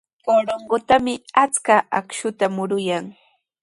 Corongotrawmi achka akshuta muruyan.